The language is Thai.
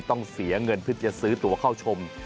ต้องเสียเงินเพื่อจะซื้อตัวเข้าชม